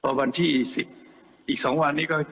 พอวันที่อีก๒วันนี้ก็